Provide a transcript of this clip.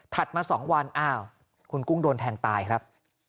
มา๒วันอ้าวคุณกุ้งโดนแทงตายครับ